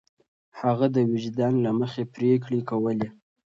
هغه د وجدان له مخې پرېکړې کولې.